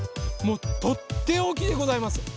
もうとっておきでございます！